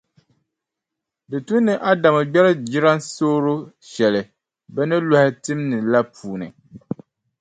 Di tu ni Adamu gbɛri jilansooro shɛli bɛ ni lɔhi tim ni la puuni.